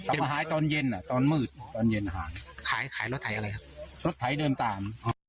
จนหายตอนเย็นอ่ะตอนมืดตอนเย็นหายขายรถไถอะไรครับรถไถเดินตาม